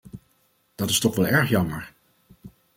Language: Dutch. Dat is toch wel erg jammer.